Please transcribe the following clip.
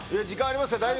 時間ありますよ。